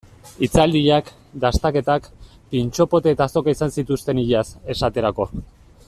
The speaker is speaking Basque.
Hitzaldiak, dastaketak, pintxo potea eta azoka izan zituzten iaz, esaterako.